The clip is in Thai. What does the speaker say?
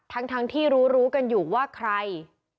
ทั้งที่รู้รู้กันอยู่ว่าใคร